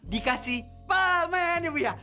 dikasih pamen ya bu ya